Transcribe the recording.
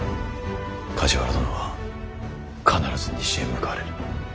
梶原殿は必ず西へ向かわれる。